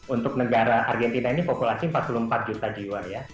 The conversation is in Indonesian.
untuk negara argentina ini populasi empat puluh empat juta jiwa ya